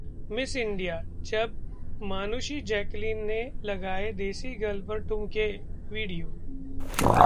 miss India: जब मानुषी-जैकलीन ने लगाए 'देसी गर्ल' पर ठुमके, Video